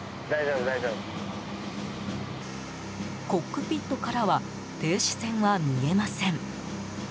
コックピットからは停止線は見えません。